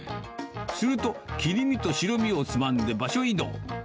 すると、切り身と白身をつまんで場所移動。